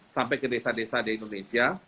sampai ke desa desa di indonesia